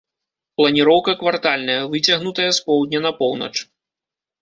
Планіроўка квартальная, выцягнутая з поўдня на поўнач.